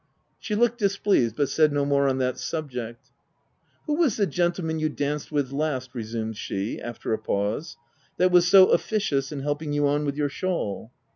She looked displeased but said no more on that subject. 1>~' THE TENANT " Who was the gentleman you danced with last/' resumed she, after a pause — c< that was so officious in helping you on with your shawl